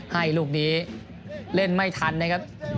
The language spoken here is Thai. ให้ลูกนี้เล่นไม่ทันนะครับ